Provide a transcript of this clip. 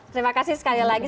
terima kasih sekali lagi